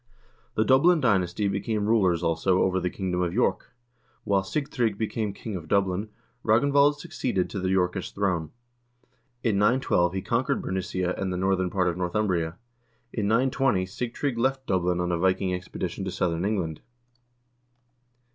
The Dublin dynasty became rulers also over the kingdom of York. While Sigtrygg became king of Dublin, Ragnvald succeeded to the Yorkish throne. In 912 he conquered Bernecia and the northern part of Northumbria. In 920 Sigtrygg left Dublin on a Viking expedition to southern England.